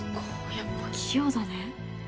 やっぱ器用だね。